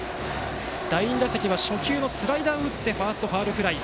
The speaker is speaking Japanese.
第２打席は初球のスライダーを打ってファーストへのファウルフライ。